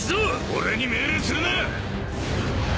俺に命令するな！